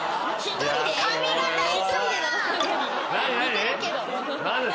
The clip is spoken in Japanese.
・似てるけど。